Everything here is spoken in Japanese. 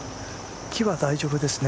木は大丈夫ですね。